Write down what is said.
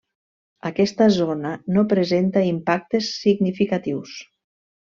Aquesta zona no presenta impactes significatius.